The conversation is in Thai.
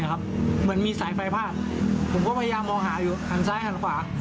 เหมือนมีสายไฟพาดผมก็พยายามมองหาอยู่หันซ้ายหันขวา